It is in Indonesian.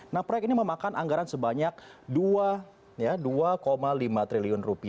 nah proyek ini memakan anggaran sebanyak rp dua lima triliun